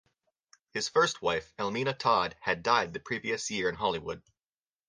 His first wife, Elmina Todd, had died the previous year in Hollywood.